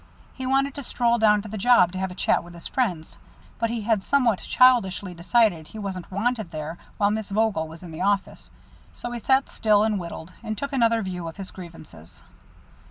He wanted to stroll down to the job to have a chat with his friends, but he had somewhat childishly decided he wasn't wanted there while Miss Vogel was in the office, so he sat still and whittled, and took another view of his grievances.